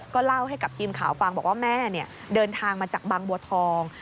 เล่าให้กับทีมข่าวฟังบอกว่าแม่เดินทางมาจากบางบัวทอง